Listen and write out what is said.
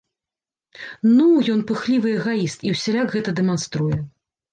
Ну, ён пыхлівы эгаіст, і ўсяляк гэта дэманструе.